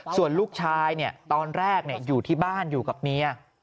ส่วนลูกชายตอนแรกอยู่ที่บ้านอยู่กับเมีย